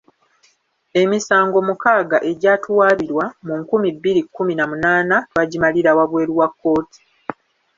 Emisango mukaaga egyatuwaabirwa mu nkumi bbiri mu kkumi na munaana twagimalira wabweru wa kkooti.